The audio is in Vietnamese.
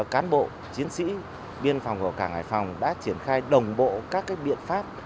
cán bộ chiến sĩ biên phòng của cảng hải phòng đã triển khai đồng bộ các biện pháp